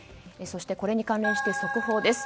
そしてこれに関連して速報です。